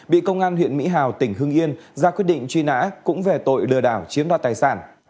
bị công an huyện mỹ hào tỉnh hưng yên ra quyết định truy nã cũng về tội lừa đảo chiếm đoạt tài sản